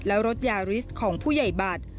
และรถยาริสของผู้ใหญ่บัตร